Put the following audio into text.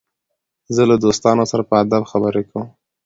زه له دوستانو سره په ادب خبري کوم.